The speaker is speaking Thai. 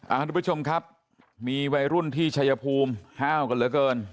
ทุกผู้ชมครับมีวัยรุ่นที่ชายภูมิห้าวกันเหลือเกิน